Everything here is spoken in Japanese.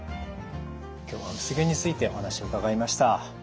今日は薄毛についてお話を伺いました。